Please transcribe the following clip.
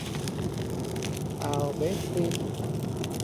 อ่าวแบฟฟิน